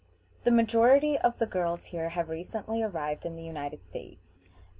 The majority of the girls here have recently arrived in the United States.